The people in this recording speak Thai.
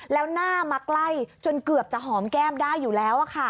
แล้วหน้ามาใกล้จนเกือบจะหอมแก้มได้อยู่แล้ว